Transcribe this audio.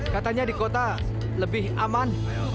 katanya di kota lebih aman